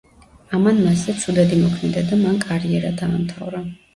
ამან მასზე ცუდად იმოქმედა და მან კარიერა დაამთავრა.